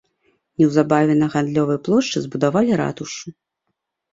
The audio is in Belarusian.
Неўзабаве на гандлёвай плошчы збудавалі ратушу.